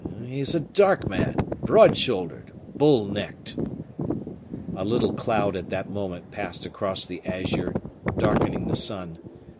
"He is a dark man, broad shouldered, bull necked." A little cloud at that moment passed across the azure, darkening the sun.